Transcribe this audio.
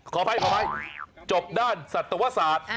ขออภัยจบด้านศัตวศาสตร์